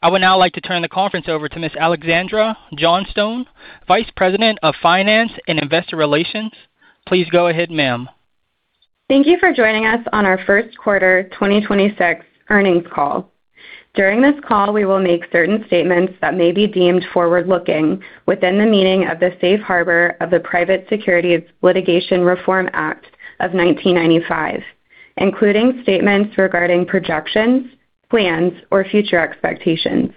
I would now like to turn the conference over to Miss Alexandra Johnstone, Vice President of Finance and Investor Relations. Please go ahead, ma'am. Thank you for joining us on our first quarter 2026 earnings call. During this call, we will make certain statements that may be deemed forward-looking within the meaning of the Safe Harbor of the Private Securities Litigation Reform Act of 1995, including statements regarding projections, plans, or future expectations.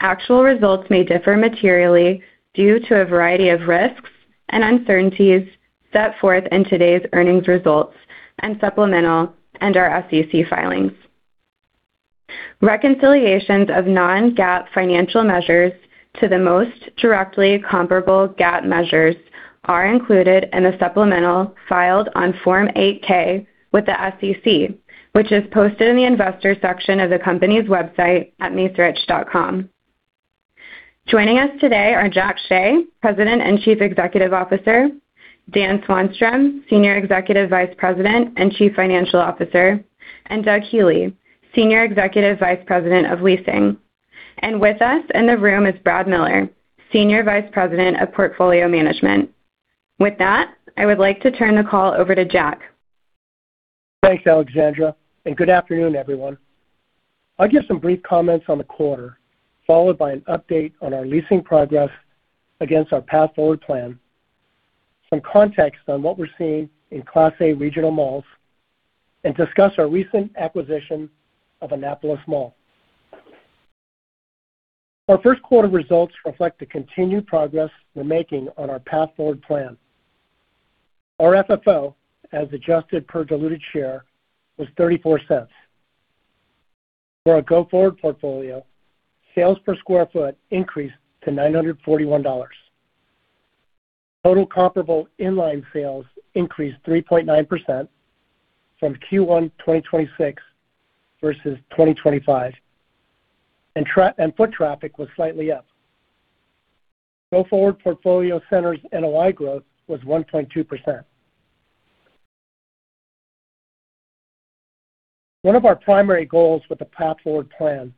Actual results may differ materially due to a variety of risks and uncertainties set forth in today's earnings results, supplemental, and our SEC filings. Reconciliations of non-GAAP financial measures to the most directly comparable GAAP measures are included in the supplemental filed on Form 8-K with the SEC, which is posted in the Investors section of the company's website at macerich.com. Joining us today are Jack Hsieh, President and Chief Executive Officer; Dan Swanstrom, Senior Executive Vice President and Chief Financial Officer; and Doug Healey, Senior Executive Vice President of Leasing. With us in the room is Brad Miller, Senior Vice President of Portfolio Management. With that, I would like to turn the call over to Jack. Thanks, Alexandra. Good afternoon, everyone. I'll give some brief comments on the quarter, followed by an update on our leasing progress against our Path Forward Plan, some context on what we're seeing in Class A regional malls, and discuss our recent acquisition of Annapolis Mall. Our first quarter results reflect the continued progress we're making on our Path Forward Plan. Our FFO, as adjusted per diluted share, was $0.34. For our go-forward portfolio, sales per square foot increased to $941. Total comparable inline sales increased 3.9% from Q1 2026 versus 2025, and foot traffic was slightly up. Go-forward portfolio centers' NOI growth was 1.2%. One of our primary goals with the path forward plan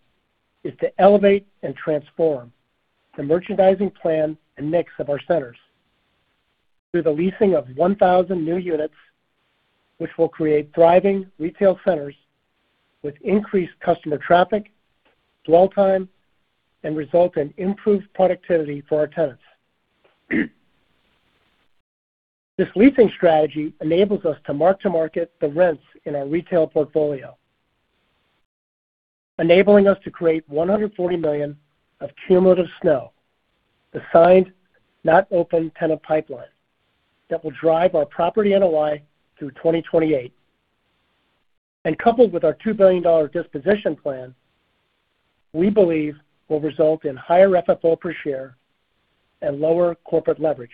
is to elevate and transform the merchandising plan and mix of our centers through the leasing of 1,000 new units, which will create thriving retail centers with increased customer traffic, dwell time, and result in improved productivity for our tenants. This leasing strategy enables us to mark-to-market the rents in our retail portfolio, enabling us to create $140 million of cumulative SNO, the signed, not open tenant pipeline that will drive our property NOI through 2028. Coupled with our $2 billion disposition plan, we believe this will result in higher FFO per share and lower corporate leverage.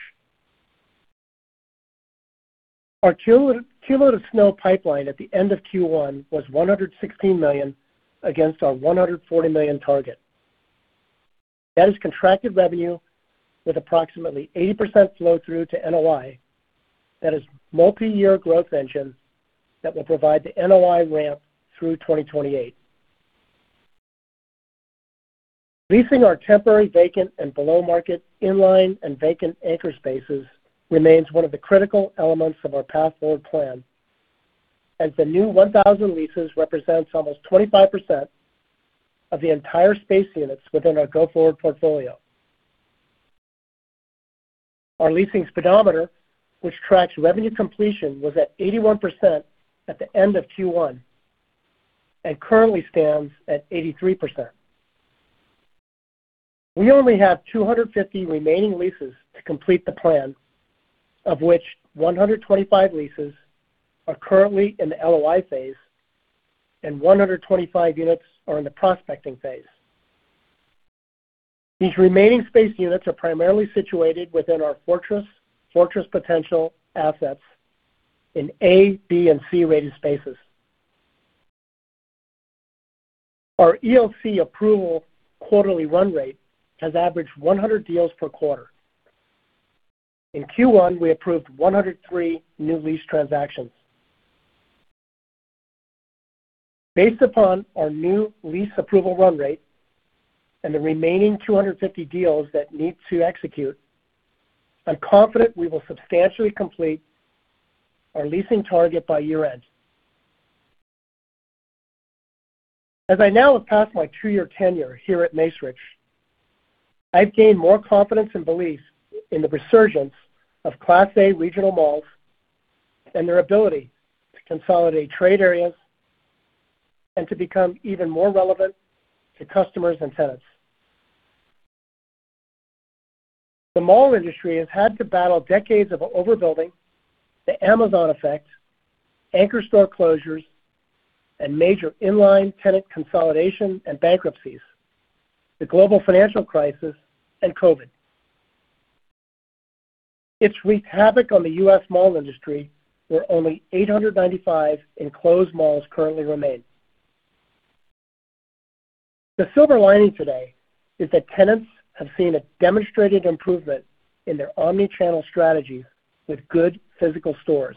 Our cumulative SNO pipeline at the end of Q1 was $116 million against our $140 million target. That is contracted revenue with approximately 80% flow-through to NOI. That is a multiyear growth engine that will provide the NOI ramp through 2028. Leasing our temporary vacant and below-market inline and vacant anchor spaces remains one of the critical elements of our path forward plan, as the new 1,000 leases represent almost 25% of the entire space units within our go-forward portfolio. Our leasing speedometer, which tracks revenue completion, was at 81% at the end of Q1 and currently stands at 83%. We only have 250 remaining leases to complete the plan, of which 125 leases are currently in the LOI phase and 125 units are in the prospecting phase. These remaining space units are primarily situated within our fortress potential assets in A, B, and C-rated spaces. Our EOC approval quarterly run rate has averaged 100 deals per quarter. In Q1, we approved 103 new lease transactions. Based upon our new lease approval run rate and the remaining 250 deals that need to execute, I'm confident we will substantially complete our leasing target by year-end. As I now have passed my two-year tenure here at Macerich, I've gained more confidence and belief in the resurgence of Class A regional malls and their ability to consolidate trade areas and to become even more relevant to customers and tenants. The mall industry has had to battle decades of overbuilding, the Amazon effect, anchor store closures, and major inline tenant consolidation and bankruptcies, the global financial crisis, and COVID. It's wreaked havoc on the U.S. mall industry, where only 895 enclosed malls currently remain. The silver lining today is that tenants have seen a demonstrated improvement in their omni-channel strategy with good physical stores.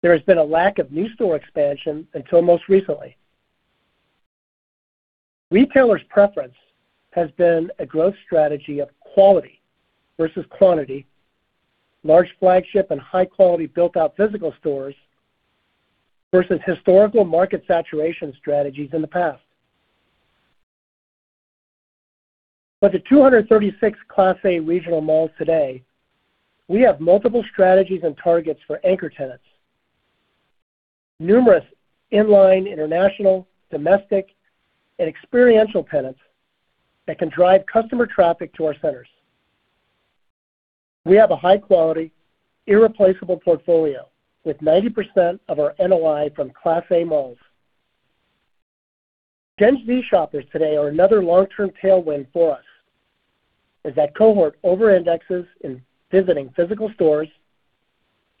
There has been a lack of new store expansion until most recently. Retailers' preference has been a growth strategy of quality versus quantity, large flagship and high-quality built-out physical stores versus historical market saturation strategies in the past. With the 236 Class A regional malls today, we have multiple strategies and targets for anchor tenants. Numerous inline, international, domestic, and experiential tenants that can drive customer traffic to our centers. We have a high-quality, irreplaceable portfolio with 90% of our NOI from Class A malls. Gen Z shoppers today are another long-term tailwind for us, as that cohort over-indexes in visiting physical stores,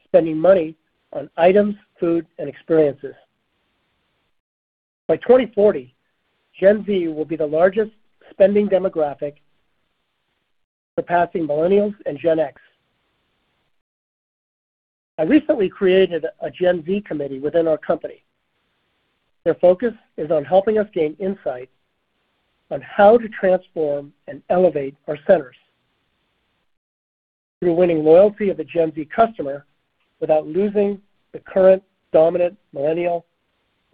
spending money on items, food, and experiences. By 2040, Gen Z will be the largest spending demographic, surpassing millennials and Gen X. I recently created a Gen Z committee within our company. Their focus is on helping us gain insight on how to transform and elevate our centers through winning loyalty of the Gen Z customer without losing the current dominant millennial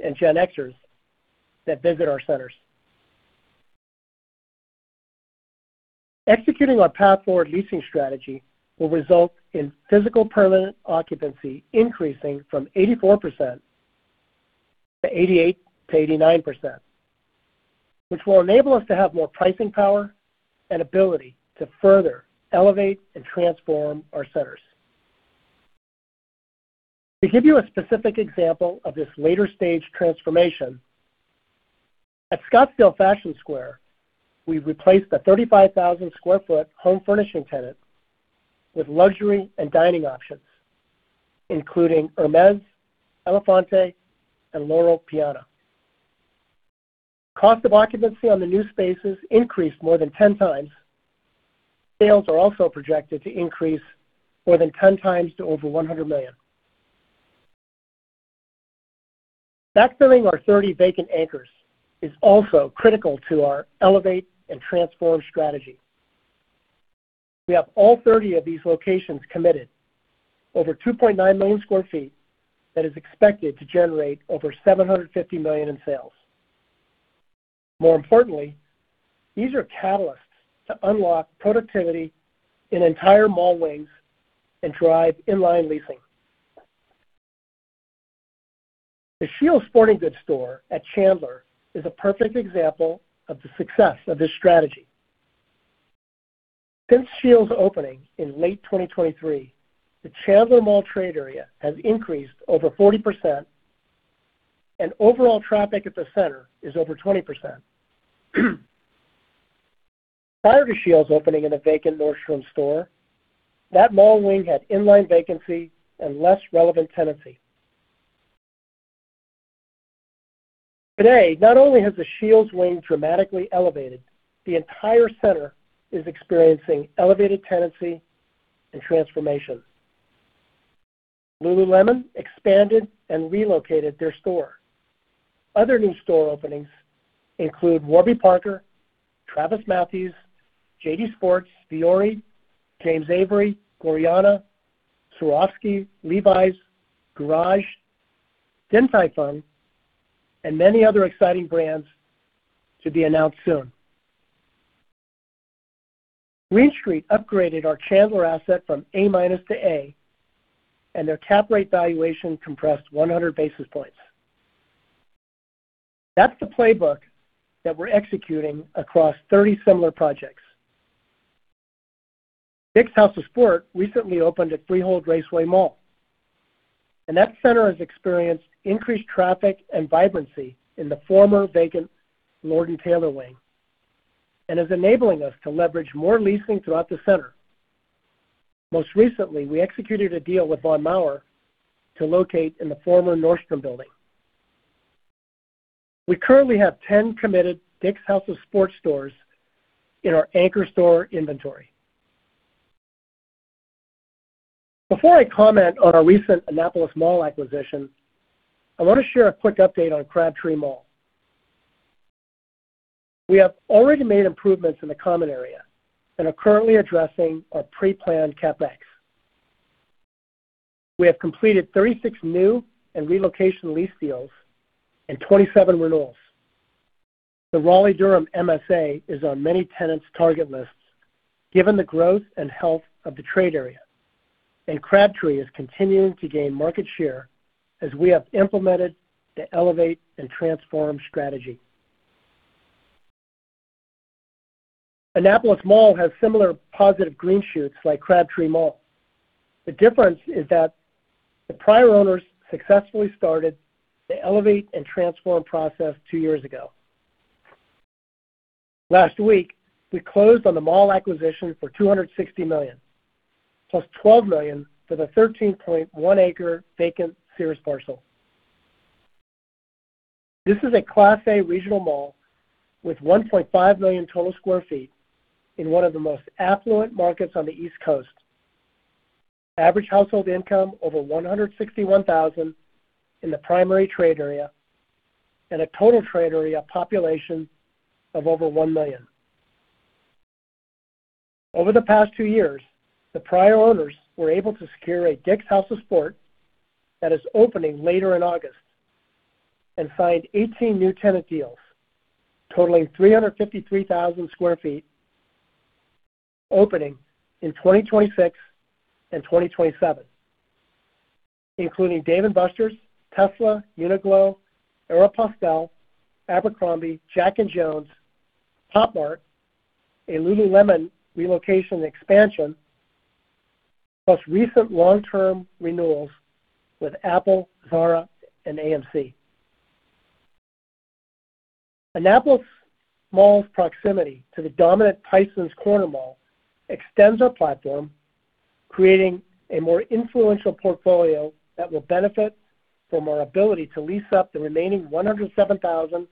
and Gen Xers that visit our centers. Executing our path forward leasing strategy will result in physical permanent occupancy increasing from 84%-88%-89%, which will enable us to have more pricing power and ability to further elevate and transform our centers. To give you a specific example of this later stage transformation, at Scottsdale Fashion Square, we've replaced a 35,000 sq ft home furnishing tenant with luxury and dining options, including Hermès, Élephante, and Loro Piana. Cost of occupancy on the new spaces increased more than 10x. Sales are also projected to increase more than 10x to over $100 million. Backfilling our 30 vacant anchors is also critical to our elevate and transform strategy. We have all 30 of these locations committed, over 2.9 million sq ft that is expected to generate over $750 million in sales. More importantly, these are catalysts to unlock productivity in entire mall wings and drive inline leasing. The Scheels sporting goods store at Chandler is a perfect example of the success of this strategy. Since Scheels opening in late 2023, the Chandler Mall trade area has increased over 40% and overall traffic at the center is over 20%. Prior to Scheels opening in a vacant Nordstrom store, that mall wing had inline vacancy and less relevant tenancy. Today, not only has the Scheels wing dramatically elevated, the entire center is experiencing elevated tenancy and transformation. Lululemon expanded and relocated their store. Other new store openings include Warby Parker, TravisMathew, JD Sports, Vuori, James Avery, Gorjana, Swarovski, Levi's, Garage, Din Tai Fung, and many other exciting brands to be announced soon. Green Street upgraded our Chandler asset from A-minus to A. Their cap rate valuation compressed 100 basis points. That's the playbook that we're executing across 30 similar projects. DICK'S House of Sport recently opened at Freehold Raceway Mall. That center has experienced increased traffic and vibrancy in the former vacant Lord & Taylor wing and is enabling us to leverage more leasing throughout the center. Most recently, we executed a deal with Von Maur to locate in the former Nordstrom building. We currently have 10 committed DICK'S House of Sport stores in our anchor store inventory. Before I comment on our recent Annapolis Mall acquisition, I want to share a quick update on Crabtree Mall. We have already made improvements in the common area and are currently addressing our pre-planned CapEx. We have completed 36 new and relocation lease deals and 27 renewals. The Raleigh-Durham MSA is on many tenants' target lists, given the growth and health of the trade area. Crabtree is continuing to gain market share as we have implemented the elevate and transform strategy. Annapolis Mall has similar positive green shoots to Crabtree Mall. The difference is that the prior owners successfully started the elevate and transform process two years ago. Last week, we closed on the mall acquisition for $260 million, plus $12 million for the 13.1-acre Vacant Sears parcel. This is a Class A regional mall with 1.5 million total sq ft in one of the most affluent markets on the East Coast. Average household income over $161,000 in the primary trade area and a total trade area population of over 1 million. Over the past two years, the prior owners were able to secure a DICK'S House of Sport that is opening later in August and signed 18 new tenant deals totaling 353,000 sq ft opening in 2026 and 2027, including Dave & Buster's, Tesla, Uniqlo, Aéropostale, Abercrombie, Jack & Jones, Pop Mart, a Lululemon relocation expansion, plus recent long-term renewals with Apple, Zara, and AMC. Annapolis Mall's proximity to the dominant Tysons Corner Mall extends our platform, creating a more influential portfolio that will benefit from our ability to lease up the remaining 107,000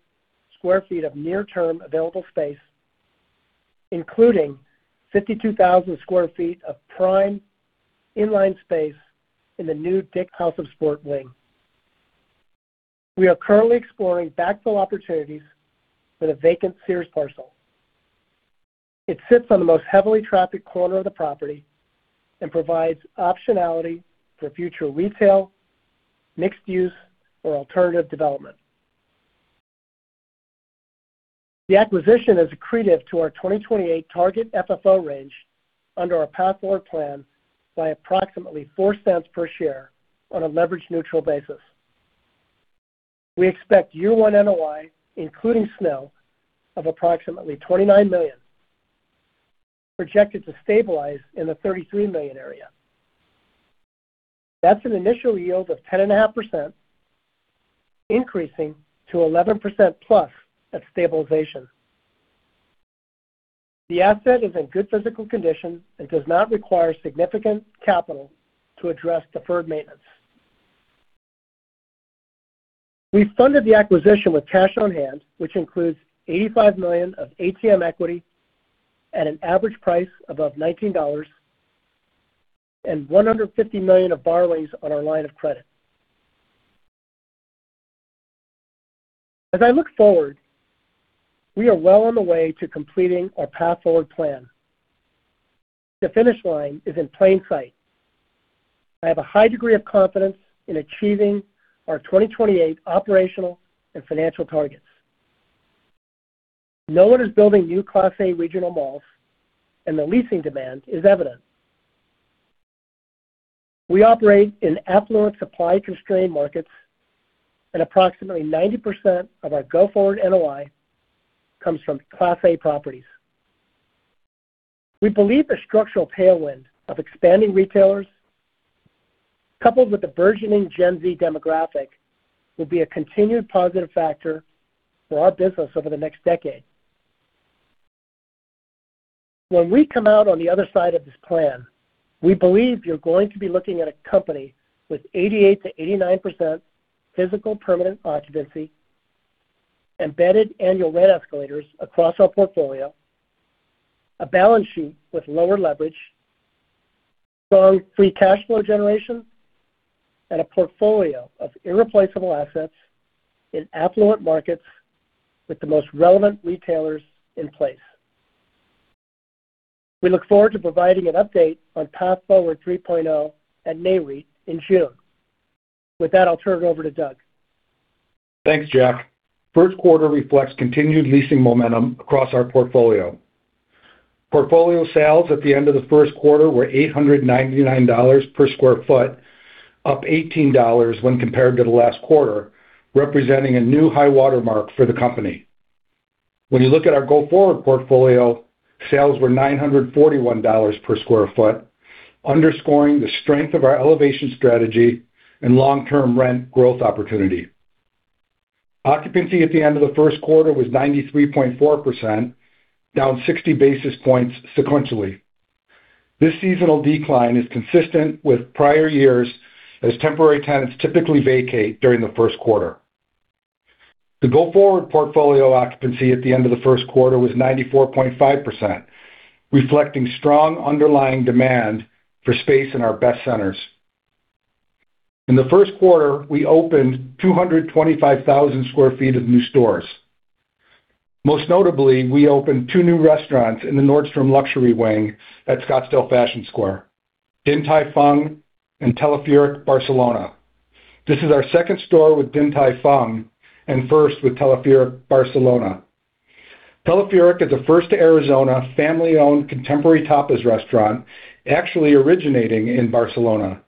sq ft of near-term available space, including 52,000 sq ft of prime inline space in the new DICK'S House of Sport wing. We are currently exploring backfill opportunities for the vacant Sears parcel. It sits on the most heavily trafficked corner of the property and provides optionality for future retail, mixed-use, or alternative development. The acquisition is accretive to our 2028 target FFO range under our Path Forward Plan by approximately $0.04 per share on a leverage-neutral basis. We expect year one NOI, including SNO, of approximately $29 million, projected to stabilize in the $33 million area. That's an initial yield of 10.5%, increasing to 11% plus at stabilization. The asset is in good physical condition and does not require significant capital to address deferred maintenance. We funded the acquisition with cash on hand, which includes $85 million of ATM equity at an average price above $19 and $150 million of borrowings on our line of credit. As I look forward, we are well on the way to completing our Path Forward Plan. The finish line is in plain sight. I have a high degree of confidence in achieving our 2028 operational and financial targets. No one is building new Class A regional malls, and the leasing demand is evident. We operate in affluent supply-constrained markets, and approximately 90% of our go-forward NOI comes from class A properties. We believe the structural tailwind of expanding retailers, coupled with the burgeoning Gen Z demographic, will be a continued positive factor for our business over the next decade. When we come out on the other side of this plan, we believe you're going to be looking at a company with 88%-89% physical permanent occupancy, embedded annual rent escalators across our portfolio, a balance sheet with lower leverage, strong free cash flow generation, and a portfolio of irreplaceable assets in affluent markets with the most relevant retailers in place. We look forward to providing an update on Path Forward 3.0 at NAREIT in June. With that, I'll turn it over to Doug. Thanks, Jack. First quarter reflects continued leasing momentum across our portfolio. Portfolio sales at the end of the first quarter were $899 per square foot, up $18 when compared to the last quarter, representing a new high-water mark for the company. When you look at our go-forward portfolio, sales were $941 per square foot, underscoring the strength of our elevation strategy and long-term rent growth opportunity. Occupancy at the end of the first quarter was 93.4%, down 60 basis points sequentially. This seasonal decline is consistent with prior years, as temporary tenants typically vacate during the first quarter. The go-forward portfolio occupancy at the end of the first quarter was 94.5%, reflecting strong underlying demand for space in our best centers. In the first quarter, we opened 225,000 sq ft of new stores. Most notably, we opened two new restaurants in the Nordstrom luxury wing at Scottsdale Fashion Square: Din Tai Fung and Telefèric Barcelona. This is our second store with Din Tai Fung and our first with Telefèric Barcelona. Telefèric Barcelona is the first Arizona family-owned contemporary tapas restaurant, actually originating in Barcelona.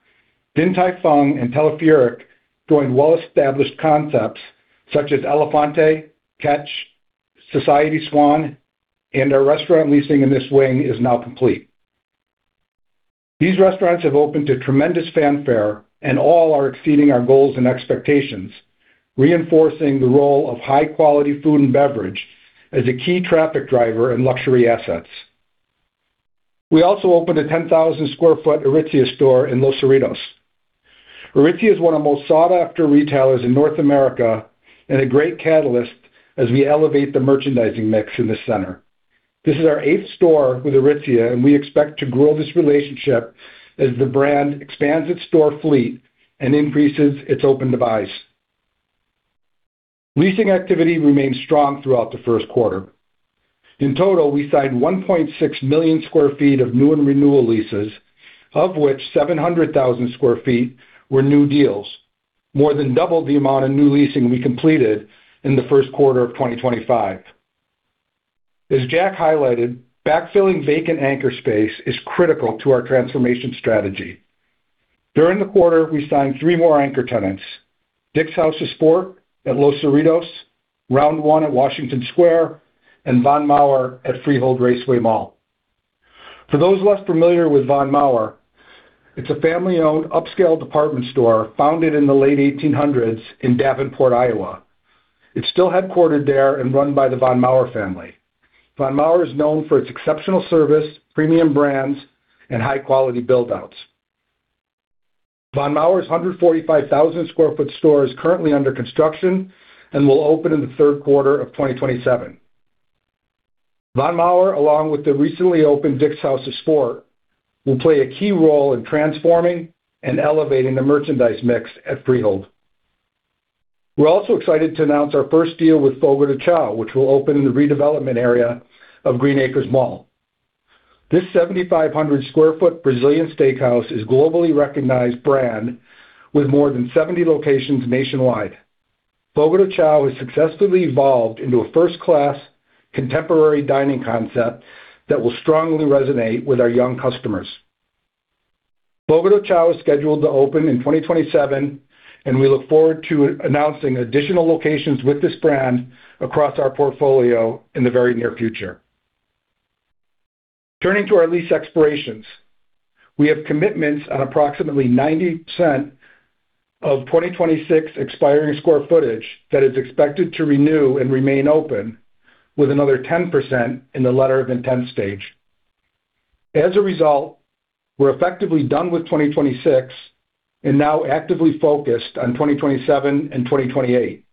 Din Tai Fung and Telefèric Barcelona join well-established concepts such as Élephante, Catch, and Society Swan. Our restaurant leasing in this wing is now complete. These restaurants have opened to tremendous fanfare. All are exceeding our goals and expectations, reinforcing the role of high-quality food and beverage as a key traffic driver in luxury assets. We also opened a 10,000 sq ft Aritzia store in Los Cerritos. Aritzia is one of the most sought-after retailers in North America and a great catalyst as we elevate the merchandising mix in the center. This is our eighth store with Aritzia, and we expect to grow this relationship as the brand expands its store fleet and increases its open-to-buy. Leasing activity remains strong throughout the first quarter. In total, we signed 1.6 million sq ft of new and renewal leases, of which 700,000 sq ft were new deals, more than double the amount of new leasing we completed in the first quarter of 2025. As Jack highlighted, backfilling vacant anchor space is critical to our transformation strategy. During the quarter, we signed three more anchor tenants, DICK'S House of Sport at Los Cerritos, Round1 at Washington Square, and Von Maur at Freehold Raceway Mall. For those less familiar with Von Maur, it is a family-owned upscale department store founded in the late 1800s in Davenport, Iowa. It is still headquartered there and run by the Von Maur family. Von Maur is known for its exceptional service, premium brands, and high-quality build-outs. Von Maur's 145,000 sq ft store is currently under construction and will open in the third quarter of 2027. Von Maur, along with the recently opened DICK'S House of Sport, will play a key role in transforming and elevating the merchandise mix at Freehold. We are also excited to announce our first deal with Fogo de Chão, which will open in the redevelopment area of Green Acres Mall. This 7,500 sq ft Brazilian steakhouse is a globally recognized brand with more than 70 locations nationwide. Fogo de Chão has successfully evolved into a first-class contemporary dining concept that will strongly resonate with our young customers. Fogo de Chão is scheduled to open in 2027. We look forward to announcing additional locations with this brand across our portfolio in the very near future. Turning to our lease expirations, we have commitments on approximately 90% of the 2026 expiring square footage that is expected to renew and remain open, with another 10% in the letter of intent stage. As a result, we're effectively done with 2026 and now actively focused on 2027 and 2028.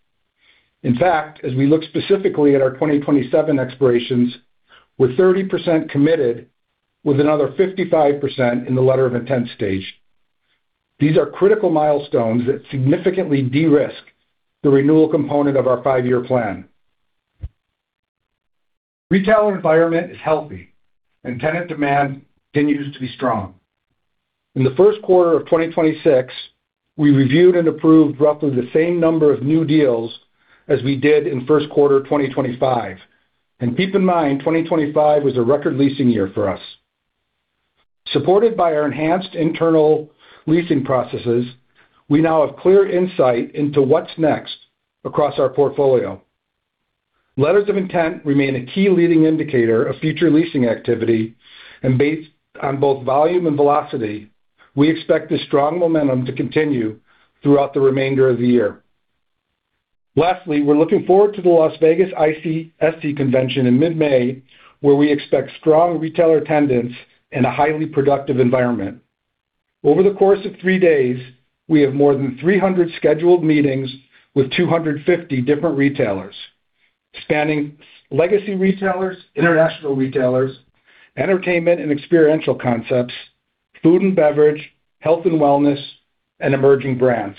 In fact, as we look specifically at our 2027 expirations, we're 30% committed with another 55% in the letter of intent stage. These are critical milestones that significantly de-risk the renewal component of our five-year plan. The retail environment is healthy, and tenant demand continues to be strong. In the first quarter of 2026, we reviewed and approved roughly the same number of new deals as we did in the first quarter of 2025. Keep in mind, 2025 was a record leasing year for us. Supported by our enhanced internal leasing processes, we now have clear insight into what's next across our portfolio. Letters of intent remain a key leading indicator of future leasing activity, and based on both volume and velocity, we expect this strong momentum to continue throughout the remainder of the year. We're looking forward to the Las Vegas ICSC convention in mid-May, where we expect strong retailer attendance and a highly productive environment. Over the course of three days, we have more than 300 scheduled meetings with 250 different retailers, spanning legacy retailers, international retailers, entertainment and experiential concepts, food and beverage, health and wellness, and emerging brands.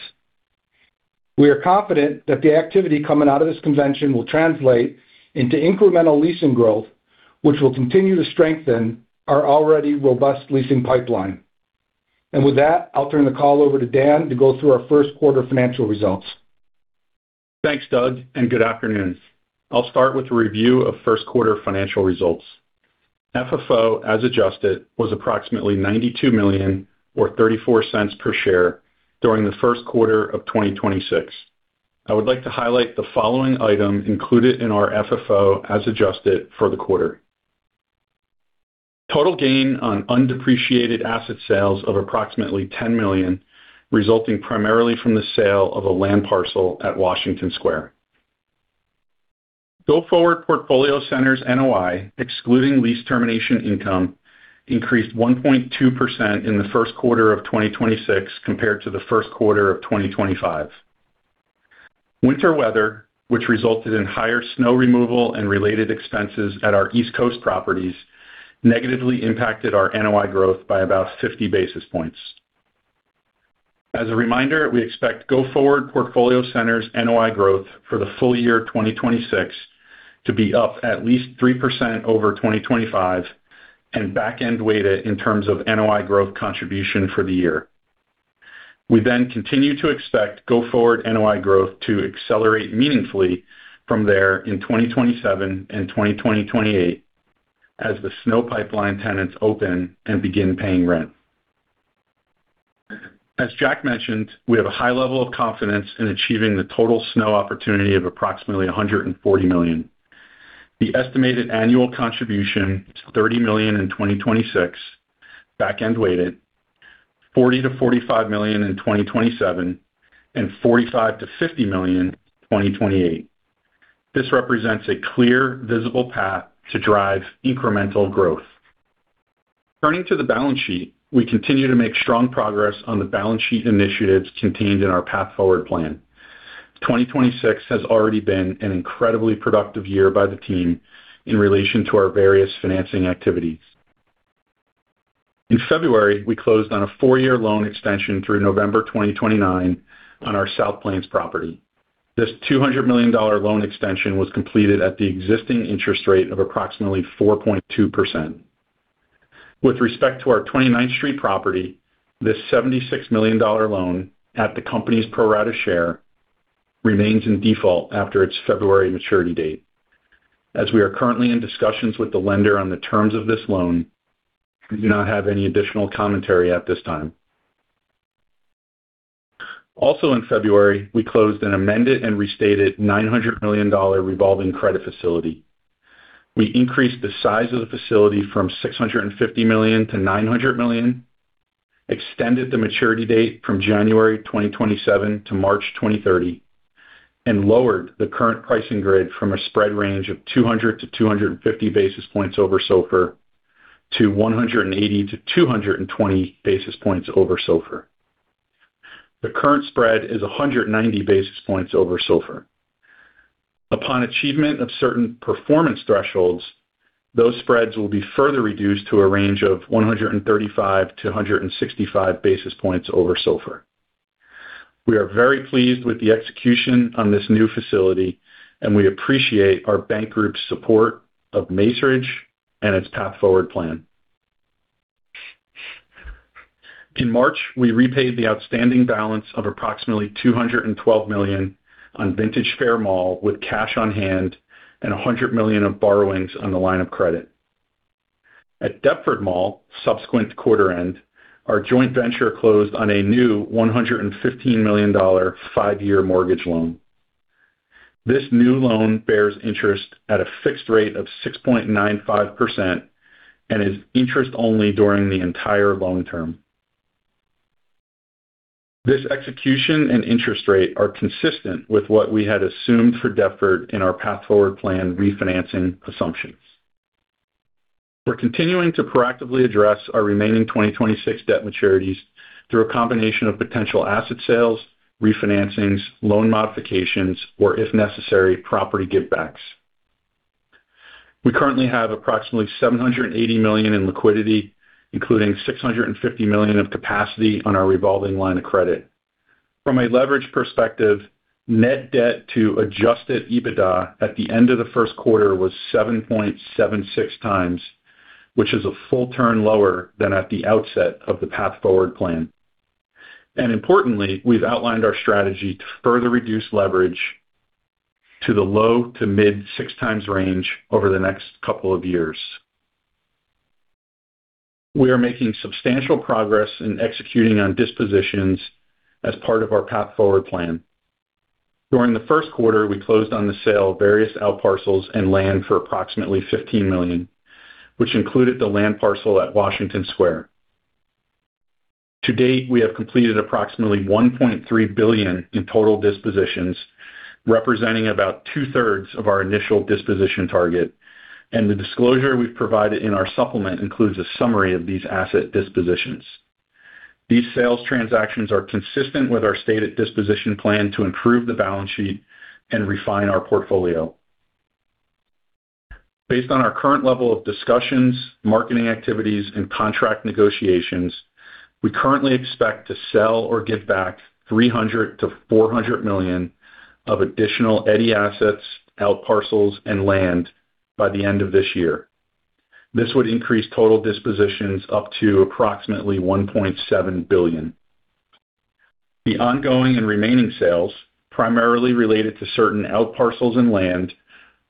We are confident that the activity coming out of this convention will translate into incremental leasing growth, which will continue to strengthen our already robust leasing pipeline. With that, I'll turn the call over to Dan to go through our first quarter financial results. Thanks, Doug. Good afternoon. I'll start with a review of the first quarter financial results. FFO, as adjusted, was approximately $92 million or $0.34 per share during the first quarter of 2026. I would like to highlight the following item included in our FFO as adjusted for the quarter. Total gain on undepreciated asset sales of approximately $10 million, resulting primarily from the sale of a land parcel at Washington Square. Go forward portfolio centers' NOI, excluding lease termination income, increased 1.2% in the first quarter of 2026 compared to the first quarter of 2025. Winter weather, which resulted in higher snow removal and related expenses at our East Coast properties, negatively impacted our NOI growth by about 50 basis points. As a reminder, we expect the go-forward portfolio centers' NOI growth for the full year of 2026 to be up at least 3% over 2025 and back-end weighted in terms of NOI growth contribution for the year. We continue to expect go-forward NOI growth to accelerate meaningfully from there in 2027 and 2028 as the SNO pipeline tenants open and begin paying rent. As Jack mentioned, we have a high level of confidence in achieving the total SNO opportunity of approximately $140 million. The estimated annual contribution is $30 million in 2026, back-end weighted, $40 million-$45 million in 2027, and $45 million-$50 million in 2028. This represents a clear, visible path to drive incremental growth. Turning to the balance sheet, we continue to make strong progress on the balance sheet initiatives contained in our path forward plan. 2026 has already been an incredibly productive year for the team in relation to our various financing activities. In February, we closed on a four-year loan extension through November 2029 on our South Plains property. This $200 million loan extension was completed at the existing interest rate of approximately 4.2%. With respect to our Twenty-ninth Street property, this $76 million loan at the company's pro rata share remains in default after its February maturity date. As we are currently in discussions with the lender on the terms of this loan, we do not have any additional commentary at this time. Also in February, we closed an amended and restated $900 million revolving credit facility. We increased the size of the facility from $650 million-$900 million, extended the maturity date from January 2027 to March 2030, and lowered the current pricing grid from a spread range of 200-250 basis points over SOFR to 180-220 basis points over SOFR. The current spread is 190 basis points over SOFR. Upon achievement of certain performance thresholds, those spreads will be further reduced to a range of 135-165 basis points over SOFR. We are very pleased with the execution of this new facility, and we appreciate our bank group's support of Macerich and its Path Forward Plan. In March, we repaid the outstanding balance of approximately $212 million on Vintage Faire Mall with cash on hand and $100 million of borrowings on the line of credit. At Deptford Mall, subsequent to quarter-end, our joint venture closed on a new $115 million five-year mortgage loan. This new loan bears interest at a fixed rate of 6.95% and is interest-only during the entire loan term. These execution and interest rates are consistent with what we had assumed for Deptford in our Path Forward Plan refinancing assumptions. We're continuing to proactively address our remaining 2026 debt maturities through a combination of potential asset sales, refinancings, loan modifications, or, if necessary, property give-backs. We currently have approximately $780 million in liquidity, including $650 million of capacity on our revolving line of credit. From a leverage perspective, net debt to Adjusted EBITDA at the end of the first quarter was 7.76x, which is a full turn lower than at the outset of the Path Forward Plan. Importantly, we've outlined our strategy to further reduce leverage to the low to mid 6x range over the next couple of years. We are making substantial progress in executing on dispositions as part of our path forward plan. During the first quarter, we closed on the sale of various outparcels and land for approximately $15 million, which included the land parcel at Washington Square. To date, we have completed approximately $1.3 billion in total dispositions, representing about two-thirds of our initial disposition target, and the disclosure we've provided in our supplement includes a summary of these asset dispositions. These sales transactions are consistent with our stated disposition plan to improve the balance sheet and refine our portfolio. Based on our current level of discussions, marketing activities, and contract negotiations, we currently expect to sell or give back $300 million-$400 million of additional non-core assets, outparcels, and land by the end of this year. This would increase total dispositions up to approximately $1.7 billion. The ongoing and remaining sales, primarily related to certain outparcels and land,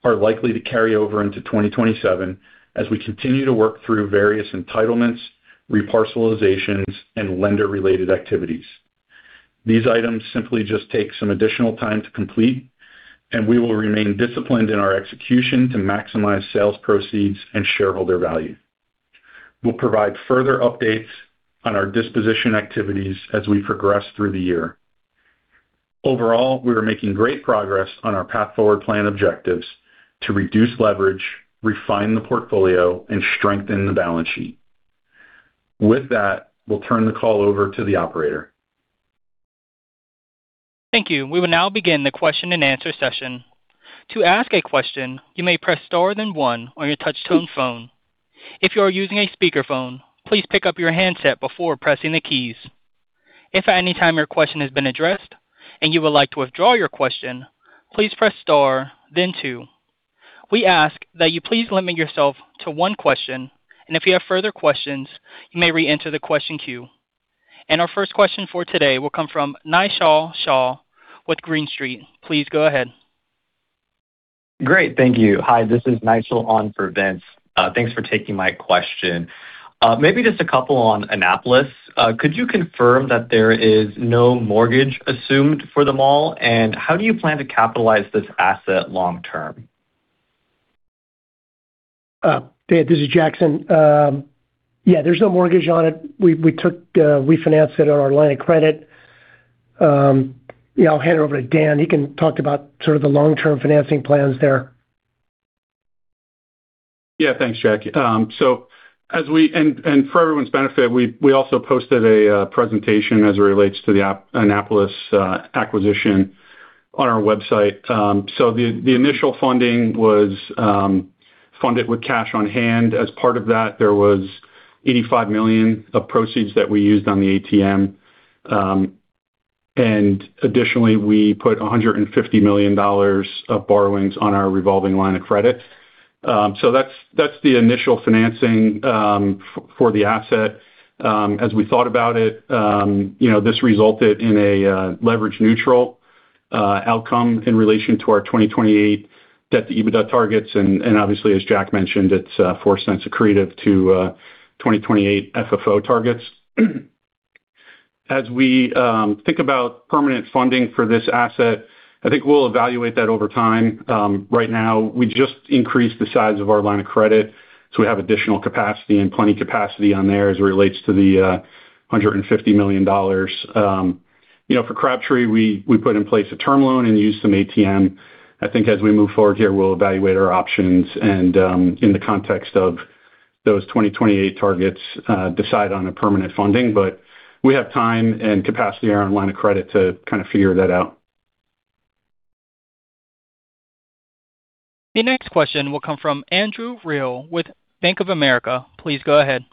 are likely to carry over into 2027 as we continue to work through various entitlements, reparcelizations, and lender-related activities. These items simply take some additional time to complete, and we will remain disciplined in our execution to maximize sales proceeds and shareholder value. We'll provide further updates on our disposition activities as we progress through the year. Overall, we are making great progress on our path forward plan objectives to reduce leverage, refine the portfolio, and strengthen the balance sheet. With that, we'll turn the call over to the operator. Thank you. We will now begin the question-and-answer session. To ask a question, you may press star then one on your touch-tone phone. If you are using a speakerphone, please pick up your handset before pressing the keys. If at any time your question has been addressed and you would like to withdraw your question, please press star then two. We ask that you please limit yourself to one question, and if you have further questions, you may re-enter the question queue. Our first question for today will come from Nishant with Green Street. Please go ahead. Great. Thank you. Hi, this is Nishant on for Vince. Thanks for taking my question. Maybe just a couple in Annapolis. Could you confirm that there is no mortgage assumed for the mall? And how do you plan to capitalize on this asset long term? This is Jackson. There's no mortgage on it. We took it, we financed it on our line of credit. I'll hand it over to Dan. He can talk about sort of the long-term financing plans there. Thanks, Jack. For everyone's benefit, we also posted a presentation as it relates to the Annapolis acquisition on our website. The initial funding was funded with cash on hand. As part of that, there was $85 million of proceeds that we used on the ATM. Additionally, we put $150 million of borrowings on our revolving line of credit. That's the initial financing for the asset. As we thought about it, you know, this resulted in a leverage-neutral outcome in relation to our 2028 debt-to-EBITDA targets. Obviously, as Jack mentioned, it's $0.04 accretive to 2028 FFO targets. As we think about permanent funding for this asset, I think we'll evaluate that over time. Right now, we just increased the size of our line of credit, so we have additional capacity and plenty of capacity on there as it relates to the $150 million. You know, for Crabtree, we put in place a term loan and used some ATM. I think as we move forward here, we'll evaluate our options and, in the context of those 2028 targets, decide on permanent funding. We have time and capacity on our line of credit to kind of figure that out. The next question will come from Andrew Reale with Bank of America. Please go ahead.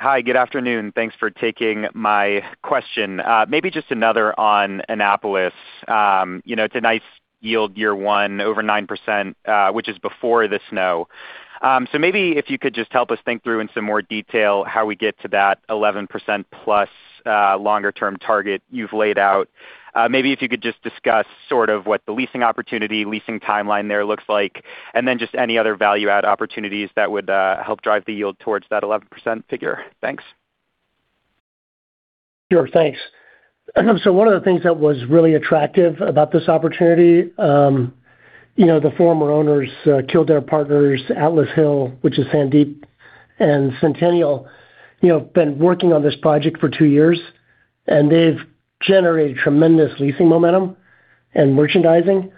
Hi, good afternoon. Thanks for taking my question. Maybe just another in Annapolis. You know, it's a nice yield, year one, over 9%, which is before the SNO. Maybe if you could just help us think through in some more detail how we get to that 11% plus, longer-term target you've laid out. Maybe if you could just discuss sort of what the leasing opportunity, leasing timeline there looks like, and then just any other value-add opportunities that would help drive the yield towards that 11% figure. Thanks. Sure. Thanks. One of the things that was really attractive about this opportunity, you know, the former owners, Kildare Partners, Atlas Hill, which is Sandeep and Centennial, you know, have been working on this project for two years, and they've generated tremendous leasing momentum and merchandising.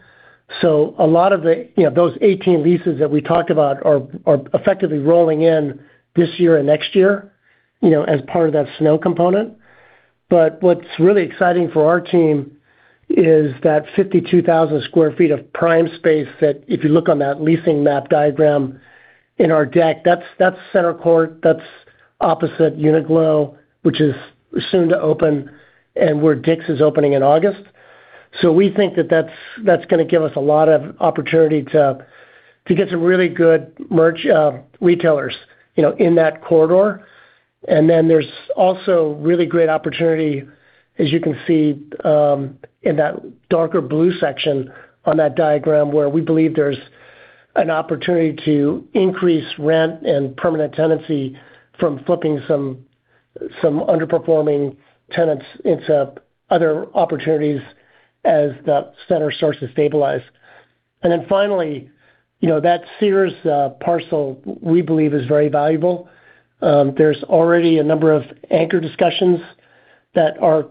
A lot of the, you know, those 18 leases that we talked about are effectively rolling in this year and next year, you know, as part of that SNO component. What's really exciting for our team is that 52,000 sq ft of prime space, which if you look at the leasing map diagram in our deck, is center court, opposite Uniqlo, which is soon to open, and where DICK's is opening in August. We think that's gonna give us a lot of opportunity to get some really good merch retailers, you know, in that corridor. There's also a really great opportunity, as you can see, in that darker blue section on that diagram, where we believe there's an opportunity to increase rent and permanent tenancy from flipping some underperforming tenants into other opportunities as that center starts to stabilize. Finally, you know, that Sears parcel, we believe, is very valuable. There's already a number of anchor discussions that are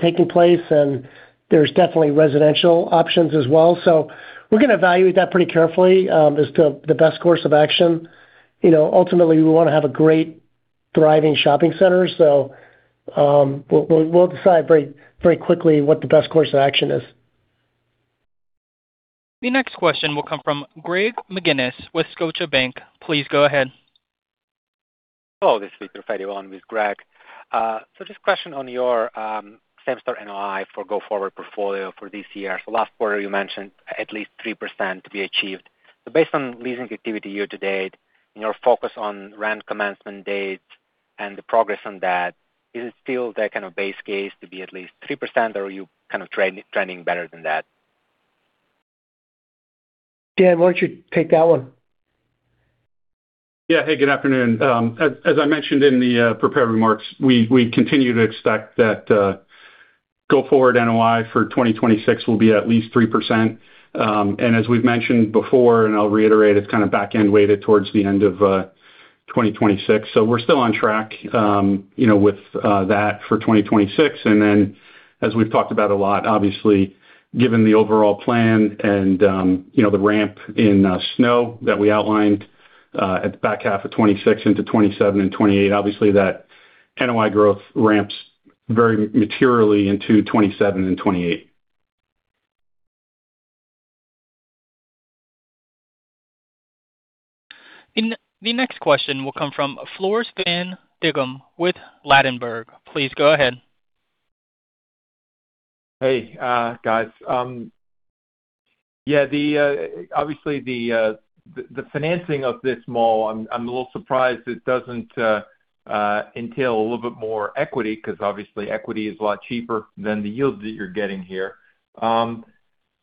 taking place, and there's definitely residential options as well. We're gonna evaluate that pretty carefully as to the best course of action. You know, ultimately, we wanna have a great thriving shopping center. We'll decide very, very quickly what the best course of action is. The next question will come from Greg McGinniss with Scotiabank. Please go ahead. This is Greg. Just a question on your same store NOI for the go-forward portfolio for this year. Last quarter, you mentioned at least 3% to be achieved. Based on leasing activity year to date and your focus on rent commencement dates and the progress on that, is it still that kind of base case to be at least 3%, or are you kind of trending better than that? Dan, why don't you take that one? Yeah. Hey, good afternoon. As I mentioned in the prepared remarks, we continue to expect that the go-forward NOI for 2026 will be at least 3%. As we've mentioned before, and I'll reiterate, it's kind of back-end weighted towards the end of 2026. We're still on track, you know, with that for 2026. As we've talked about a lot, obviously, given the overall plan and, you know, the ramp in SNO that we outlined at the back half of 2026 into 2027 and 2028, obviously, that NOI growth ramps very materially into 2027 and 2028. The next question will come from Floris van Dijkum with Ladenburg. Please go ahead. Hey, guys. Yeah, obviously, the financing of this mall, I'm a little surprised it doesn't entail a little bit more equity because obviously equity is a lot cheaper than the yields that you're getting here.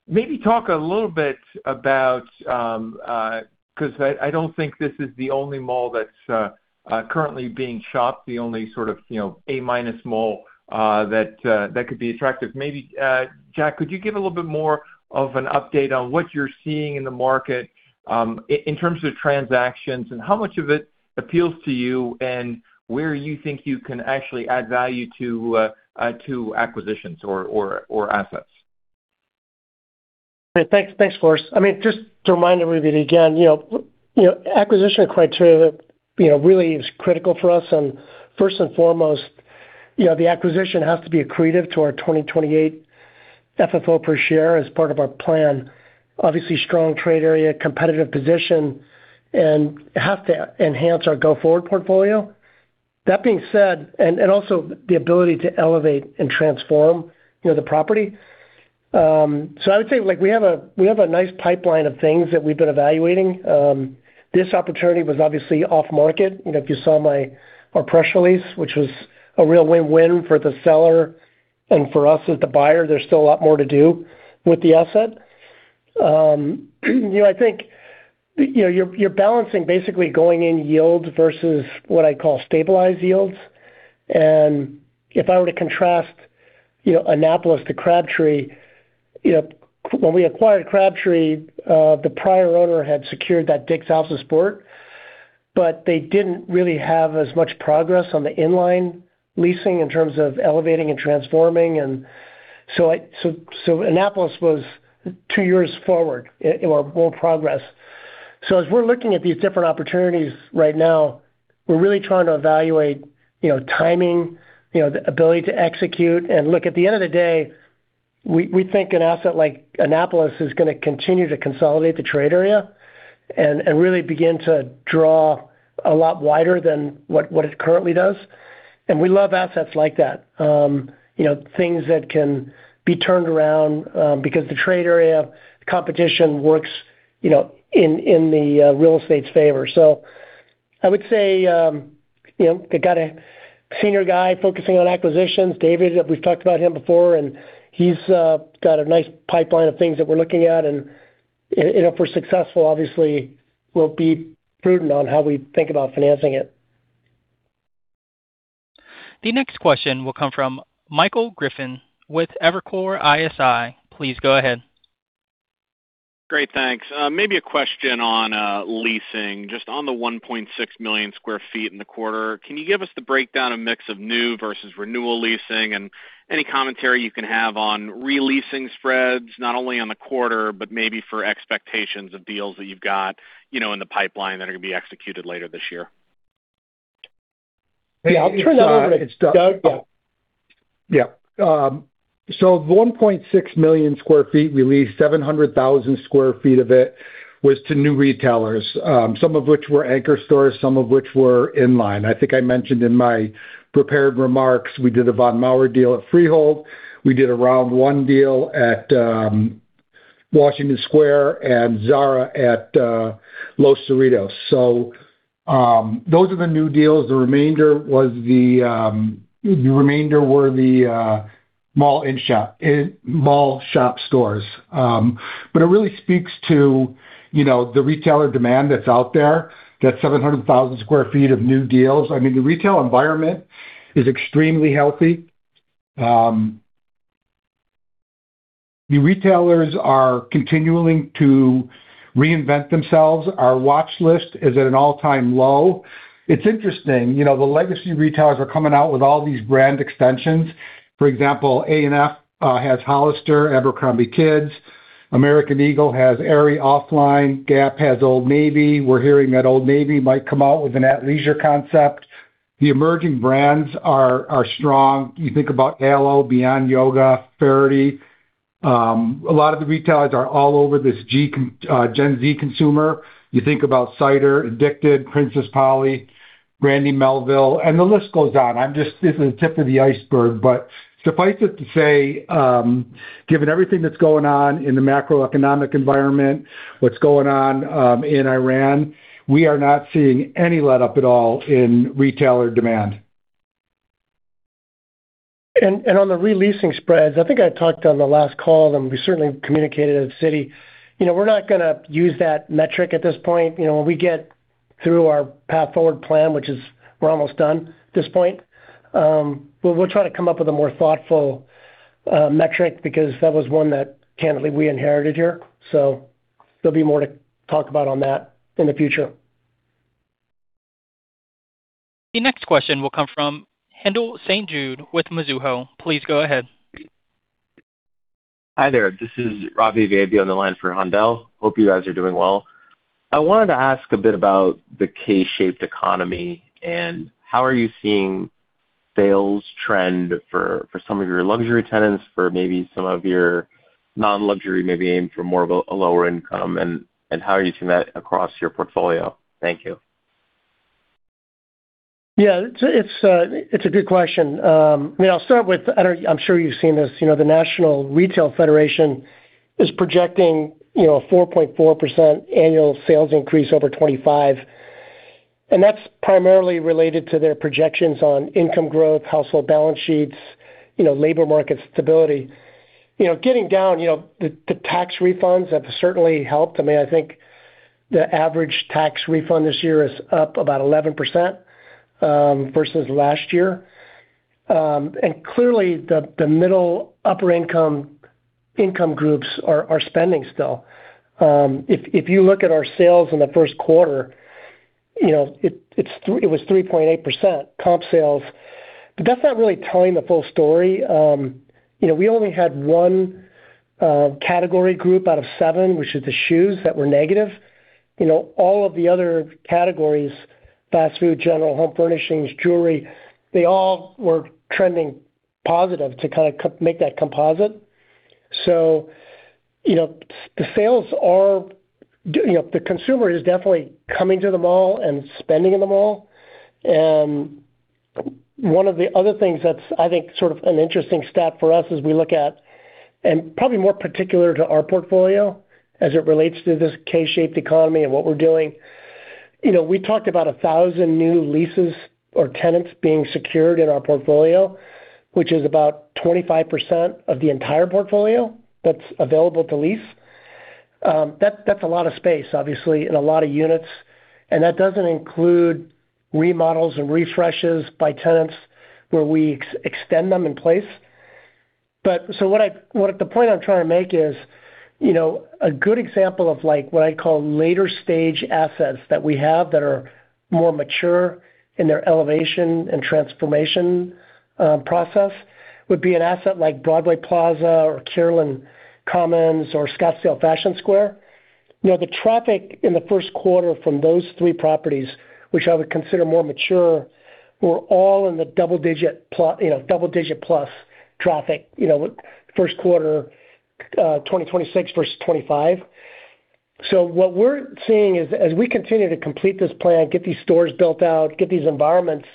Maybe talk a little bit about it because I don't think this is the only mall that's currently being shopped, the only sort of, you know, A-minus mall that could be attractive. Maybe Jack, could you give a little bit more of an update on what you're seeing in the market in terms of transactions and how much of it appeals to you, and where you think you can actually add value to acquisitions or assets? Thanks, thanks, Floris. Just to remind everybody again, you know, acquisition criteria, you know, really is critical for us. First and foremost, you know, the acquisition has to be accretive to our 2028 FFO per share as part of our plan. Obviously, strong trade area and a competitive position, and we have to enhance our go-forward portfolio. That being said, and also the ability to elevate and transform, you know, the property. So I would say, like we have a nice pipeline of things that we've been evaluating. This opportunity was obviously off-market. You know, if you saw our press release, which was a real win-win for the seller and for us as the buyer. There's still a lot more to do with the asset. You know, I think, you know, you're balancing basically going in yields versus what I call stabilized yields. If I were to contrast, you know, Annapolis to Crabtree, you know, when we acquired Crabtree, the prior owner had secured that DICK'S House of Sport, but they didn't really have as much progress on the inline leasing in terms of elevating and transforming. So Annapolis was two years forward in more progress. As we're looking at these different opportunities right now, we're really trying to evaluate, you know, timing, you know, the ability to execute. Look, at the end of the day, we think an asset like Annapolis is gonna continue to consolidate the trade area and really begin to draw a lot wider than what it currently does. We love assets like that. You know, things that can be turned around, because the trade area competition works, you know, in the real estate's favor. I would say, you know, they got a senior guy focusing on acquisitions. David, we've talked about him before, and he's got a nice pipeline of things that we're looking at. If we're successful, obviously, we'll be prudent in how we think about financing it. The next question will come from Michael Griffin with Evercore ISI. Please go ahead. Great, thanks. Maybe a question on leasing, just on the 1.6 million sq ft in the quarter. Can you give us the breakdown of the mix of new versus renewal leasing and any commentary you can have on re-leasing spreads, not only on the quarter, but maybe for expectations of deals that you've got, you know, in the pipeline that are gonna be executed later this year? Yeah, I'll turn that over to Doug. Yeah. The 1.6 million sq ft, which we leased 700,000 sq ft, was to new retailers, some of which were anchor stores, some of which were in line. I think I mentioned in my prepared remarks that we did a Von Maur deal at Freehold. We did a Round1 deal at Washington Square and Zara at Los Cerritos. Those are the new deals. The remainder were the mall shop stores. It really speaks to, you know, the retailer demand that's out there, that 700,000 sq ft of new deals. I mean, the retail environment is extremely healthy. The retailers are continuing to reinvent themselves. Our watch list is at an all-time low. It's interesting, you know, the legacy retailers are coming out with all these brand extensions. For example, A&F has Hollister, Abercrombie kids. American Eagle has Aerie OFFLINE. Gap has Old Navy. We're hearing that Old Navy might come out with an athleisure concept. The emerging brands are strong. You think about Alo, Beyond Yoga, Vuori. A lot of the retailers are all over this Gen Z consumer. You think about Cider, Edikted, Princess Polly, Brandy Melville, and the list goes on. This is the tip of the iceberg, but suffice it to say, given everything that's going on in the macroeconomic environment, what's going on in Iran, we are not seeing any letup at all in retailer demand. On the re-leasing spreads, I think I talked on the last call, and we certainly communicated at Citi, you know, we're not gonna use that metric at this point. You know, when we get through our path forward plan, which we're almost done with at this point, we'll try to come up with a more thoughtful metric because that was one that candidly we inherited here. There'll be more to talk about on that in the future. The next question will come from Haendel St. Juste with Mizuho. Please go ahead. Hi there. This is Ravi Vaidya on the line for Haendel. Hope you guys are doing well. I wanted to ask a bit about the K-shaped economy and how you are seeing sales trends for some of your luxury tenants, for maybe some of your non-luxury, maybe aimed for more of a lower income, and how are you seeing that across your portfolio? Thank you. Yeah. It's a good question. I mean, I'm sure you've seen this, you know, the National Retail Federation is projecting, you know, a 4.4% annual sales increase over 2025. That's primarily related to their projections on income growth, household balance sheets, you know, labor market stability. You know, getting down, you know, the tax refunds have certainly helped. I mean, I think the average tax refund this year is up about 11% versus last year. Clearly, the middle-upper income groups are still spending. If you look at our sales in the first quarter, you know, it was 3.8% comp sales. That's not really telling the full story. You know, we only had one category group out of seven, which is the shoes, that were negative. You know, all of the other categories, fast food, general home furnishings, jewelry, they all were trending positive to kind of make that composite. You know, the consumer is definitely coming to the mall and spending in the mall. One of the other things that's, I think, sort of an interesting stat for us as we look at, and probably more particular to our portfolio as it relates to this K-shaped economy and what we're doing. You know, we talked about 1,000 new leases or tenants being secured in our portfolio, which is about 25% of the entire portfolio that's available to lease. That's a lot of space, obviously, and a lot of units, and that doesn't include remodels and refreshes by tenants where we extend them in place. What the point I'm trying to make is, you know, a good example of like what I call later stage assets that we have that are more mature in their elevation and transformation process would be an asset like Broadway Plaza, Kierland Commons, or Scottsdale Fashion Square. You know, the traffic in the first quarter from those three properties, which I would consider more mature, was all in the double-digit plus traffic, you know, first quarter 2026 versus 2025. What we're seeing is as we continue to complete this plan, get these stores built out, get these environments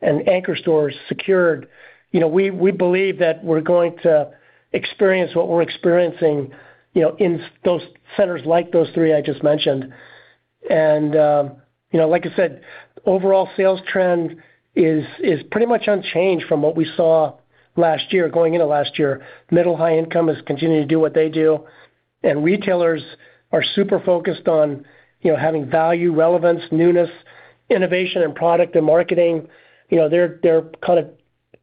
and anchor stores secured, you know, we believe that we're going to experience what we're experiencing, you know, in those centers like those three I just mentioned. You know, as I said, the overall sales trend is pretty much unchanged from what we saw last year, going into last year. Middle high income is continuing to do what they do, and retailers are super focused on, you know, having value, relevance, newness, innovation in product and marketing. You know, they're kind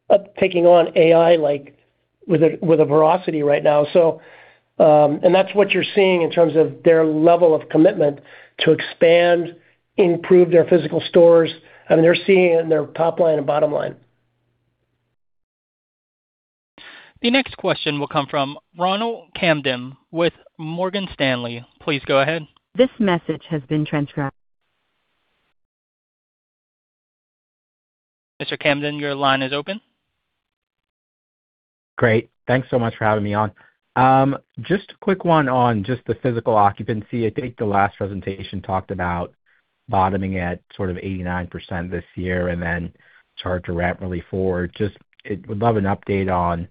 of taking on AI with a ferocity right now. That's what you're seeing in terms of their level of commitment to expand and improve their physical stores. I mean, they're seeing it in their top line and bottom line. The next question will come from Ronald Kamdem with Morgan Stanley. Please go ahead. This message has been transcribed. Mr. Kamdem, your line is open. Great. Thanks so much for having me on. Just a quick one on just the physical occupancy. I think the last presentation talked about bottoming at sort of 89% this year and then start to ramp really forward. Just would love an update on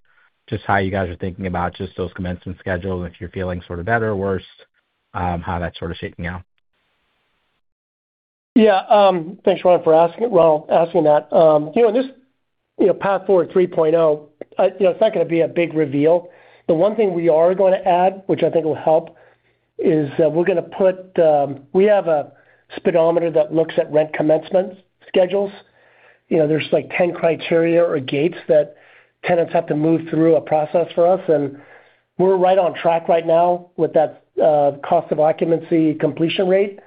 just how you guys are thinking about just those commencement schedules, if you're feeling sort of better or worse, how that's sort of shaping out. Thanks, Ronald, for asking that. You know, this, you know, Path Forward 3.0, you know, it's not gonna be a big reveal. The one thing we are gonna add, which I think will help, is, we're gonna put We have a speedometer that looks at rent commencement schedules. You know, there's like 10 criteria or gates that tenants have to move through a process for us, we're right on track right now with that cost of occupancy completion rate.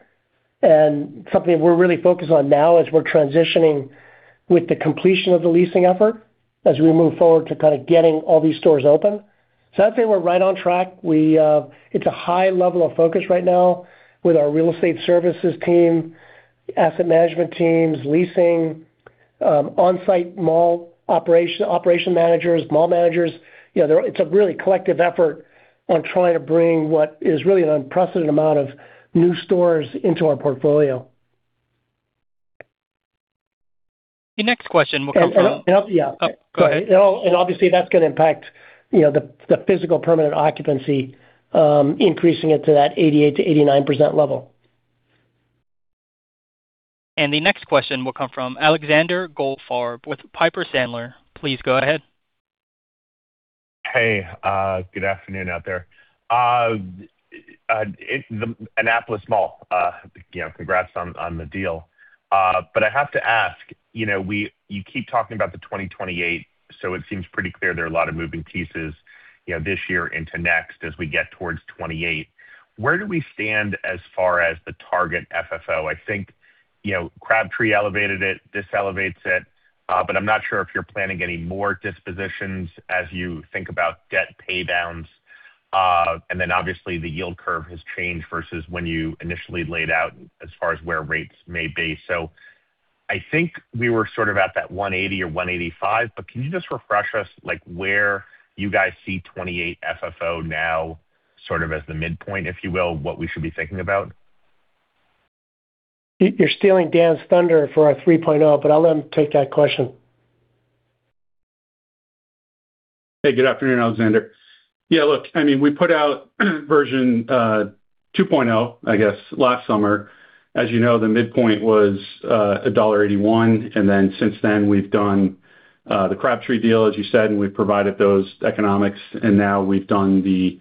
Something we're really focused on now as we're transitioning with the completion of the leasing effort as we move forward to kind of getting all these stores open. I'd say we're right on track. It's a high level of focus right now with our real estate services team, asset management teams, leasing, on-site mall operation managers, mall managers. You know, it's a really collective effort on trying to bring what is really an unprecedented amount of new stores into our portfolio. The next question will come from. Yeah. Oh, go ahead. Obviously, that's gonna impact, you know, the physical permanent occupancy, increasing it to that 88%-89% level. The next question will come from Alexander Goldfarb with Piper Sandler. Please go ahead. Hey. Good afternoon out there. The Annapolis Mall, you know, congrats on the deal. I have to ask, you know, you keep talking about 2028, so it seems pretty clear there are a lot of moving pieces, you know, this year into next, as we get towards 2028. Where do we stand as far as the target FFO? I think, you know, Crabtree elevated it; this elevates it, but I'm not sure if you're planning any more dispositions as you think about debt paydowns. Obviously, the yield curve has changed versus when you initially laid out as far as where rates may be. I think we were sort of at that $1.80 or $1.85, but can you just refresh us, like, where you guys see 2028 FFO now, sort of as the midpoint, if you will, what we should be thinking about? You're stealing Dan's thunder for our 3.0, but I'll let him take that question. Good afternoon, Alexander. I mean, we put out version 2.0, I guess, last summer. As you know, the midpoint was $1.81. Since then, we've done the Crabtree deal, as you said, and we've provided those economics. Now we've done the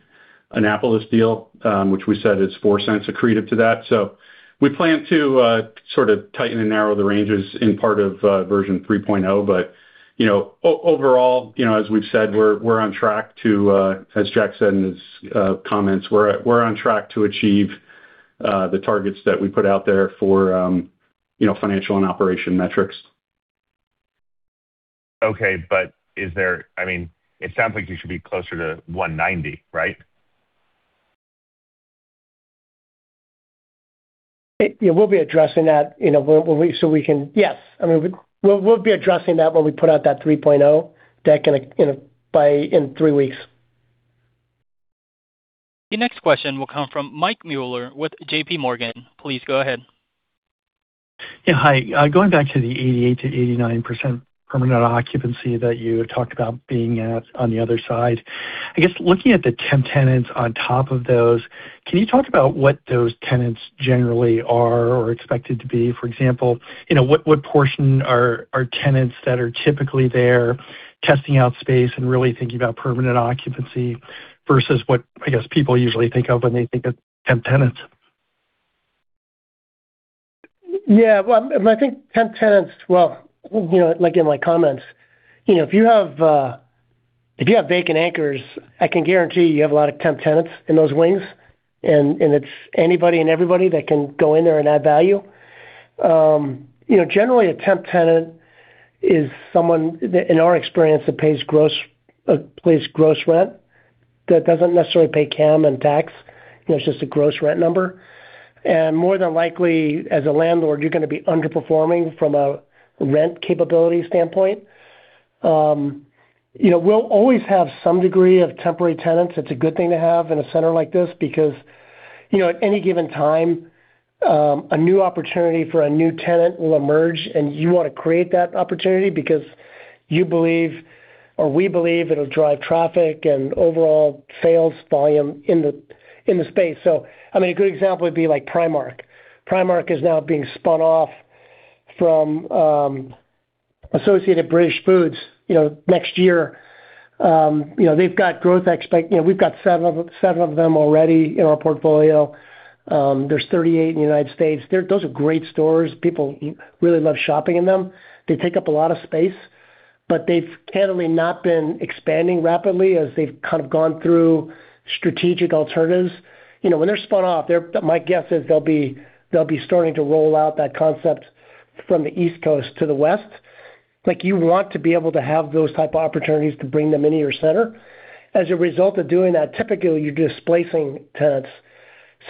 Annapolis deal, which we said is $0.04 accretive to that. We plan to sort of tighten and narrow the ranges in part of version 3.0. You know, overall, you know, as we've said, we're on track to, as Jack said in his comments, we're on track to achieve the targets that we put out there for, you know, financial and operational metrics. Okay, is there, I mean, it sounds like you should be closer to $1.90, right? Yeah, we'll be addressing that, you know. I mean, we'll be addressing that when we put out that 3.0 deck in three weeks. Your next question will come from Mike Mueller with J.P. Morgan. Please go ahead. Yeah, hi. going back to the 88%-89% permanent occupancy that you had talked about being at on the other side. I guess looking at the temp tenants on top of those, can you talk about what those tenants generally are or expected to be? For example, you know, what portion are tenants that are typically there testing out space and really thinking about permanent occupancy versus what, I guess, people usually think of when they think of temp tenants. Well, I think temp tenants, well, you know, like in my comments, you know, if you have, if you have vacant anchors, I can guarantee you have a lot of temp tenants in those wings. It's anybody and everybody who can go in there and add value. You know, generally a temp tenant is someone who, in our experience, pays gross, pays gross rent, that doesn't necessarily pay CAM and tax. You know, it's just a gross rent number. More than likely, as a landlord, you're gonna be underperforming from a rent capability standpoint. You know, we'll always have some degree of temporary tenants. It's a good thing to have in a center like this because, you know, at any given time, a new opportunity for a new tenant will emerge, and you wanna create that opportunity because you believe or we believe it'll drive traffic and overall sales volume in the space. I mean, a good example would be like Primark. Primark is now being spun off from Associated British Foods, you know, next year. You know, they've got growth, you know, we've got seven of them already in our portfolio. There's 38 in the U.S. Those are great stores. People really love shopping in them. They take up a lot of space, but they've candidly not been expanding rapidly as they've kind of gone through strategic alternatives. You know, when they're spun off, my guess is they'll be starting to roll out that concept from the East Coast to the West. Like, you want to be able to have those types of opportunities to bring them into your center. As a result of doing that, typically, you're displacing tenants.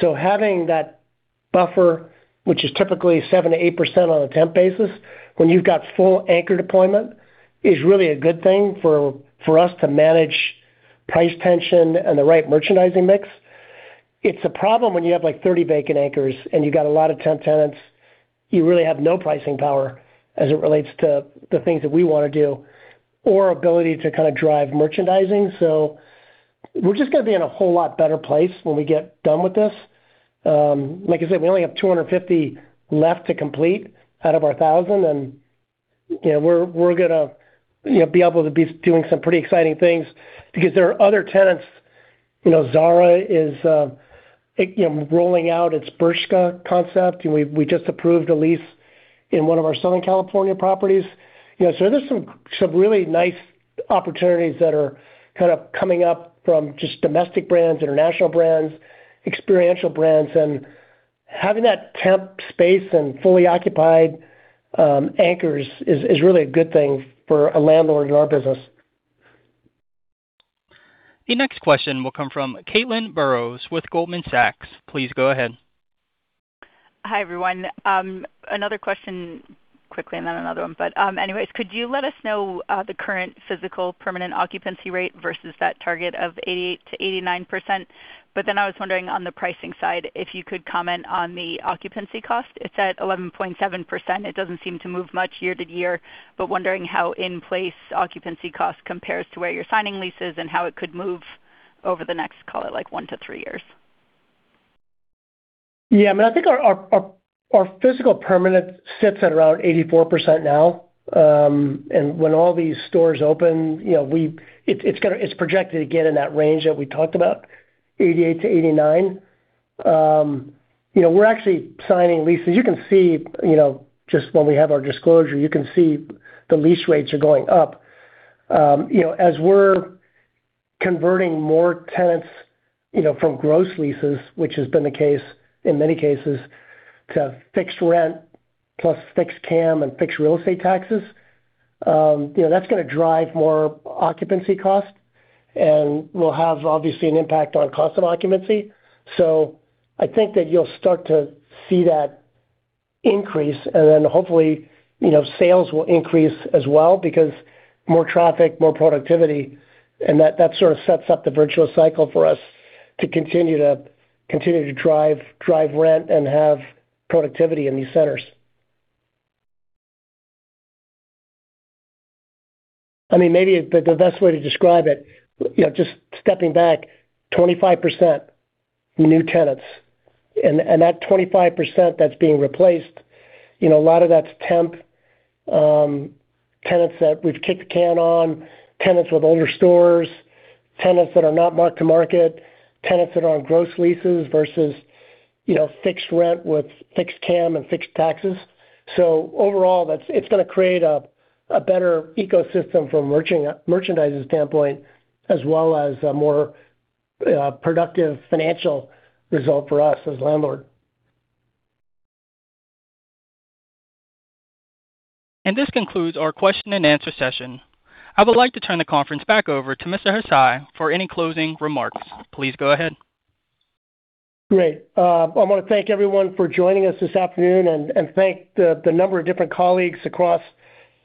Having that buffer, which is typically 7%-8% on a temp basis when you've got full anchor deployment, is really a good thing for us to manage price tension and the right merchandising mix. It's a problem when you have, like, 30 vacant anchors and you have a lot of temp tenants. You really have no pricing power as it relates to the things that we wanna do or the ability to kind of drive merchandising. We're just gonna be in a whole lot better place when we get done with this. Like I said, we only have 250 left to complete out of our 1,000, you know, we're gonna, you know, be able to be doing some pretty exciting things because there are other tenants. You know, Zara is, you know, rolling out its Bershka concept, and we just approved a lease in one of our Southern California properties. You know, there's some really nice opportunities that are kind of coming up from just domestic brands, international brands, and experiential brands. Having that temp space and fully occupied anchors is really a good thing for a landlord in our business. The next question will come from Caitlin Burrows with Goldman Sachs. Please go ahead. Hi, everyone. Another question, quickly, and then another one. Could you let us know the current physical permanent occupancy rate versus that target of 88%-89%? I was wondering on the pricing side, if you could comment on the occupancy cost. It's at 11.7%. It doesn't seem to move much year to year, but wondering how in-place occupancy cost compares to where you're signing leases and how it could move over the next, like one to three years. Yeah. I mean, I think our physical permanent sits at around 84% now. When all these stores open, you know, it's projected to get in that range that we talked about, 88%-89%. You know, we're actually signing leases. You can see, you know, just when we have our disclosure, you can see the lease rates are going up. You know, as we're converting more tenants, you know, from gross leases, which have been the case in many cases, to fixed rent plus fixed CAM and fixed real estate taxes, that's gonna drive more occupancy cost and will have, obviously, an impact on cost of occupancy. I think that you'll start to see that increase, hopefully, you know, sales will increase as well because more traffic, more productivity, and that sort of sets up the virtuous cycle for us to continue to drive rent and have productivity in these centers. I mean, maybe the best way to describe it, you know, just stepping back, 25% new tenants. That 25% that's being replaced, you know, a lot of that's temp tenants that we've kicked the can on, tenants with older stores, tenants that are not marked to market, tenants that are on gross leases versus, you know, fixed rent with fixed CAM and fixed taxes. Overall, it's gonna create a better ecosystem from a merchandising standpoint as well as a more productive financial result for us as a landlord. This concludes our question-and-answer session. I would like to turn the conference back over to Mr. Hsieh for any closing remarks. Please go ahead. Great. I wanna thank everyone for joining us this afternoon and thank the number of different colleagues across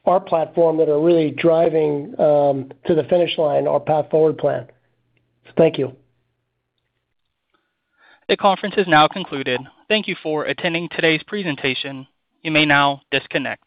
our platform that are really driving us to the finish line, our Path Forward Plan. Thank you. The conference is now concluded. Thank you for attending today's presentation. You may now disconnect.